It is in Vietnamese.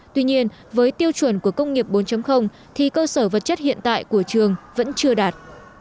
tuy nhiên với tiêu chuẩn của công nghiệp bốn thì cơ sở vật chất hiện tại của trường vẫn chưa đạt